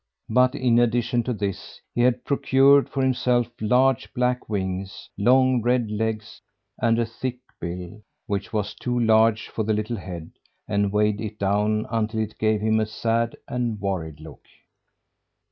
But in addition to this, he had procured for himself large black wings, long red legs, and a thick bill, which was too large for the little head, and weighed it down until it gave him a sad and worried look.